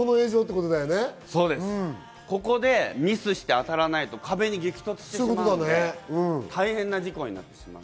ここでミスして当たらないと、壁に激突して大変な事故になってしまう。